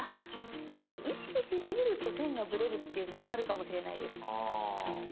ちょっと意識しすぎると線がブレるっていうのもあるかもしれないです。